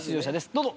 どうぞ。